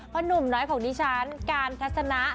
เพราะหนุ่มน้อยของดิฉันการทัศนะ